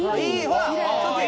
ほら！